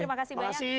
terima kasih banyak